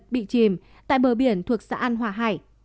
bị chìm tại bờ biển thuộc xã an hòa hải